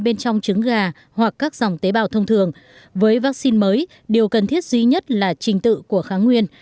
với vaccine mới điều cần thiết duy nhất là trình tự của kháng nguyên